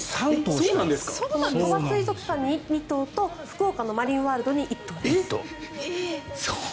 鳥羽水族館に２頭と福岡のマリンワールドに１頭です。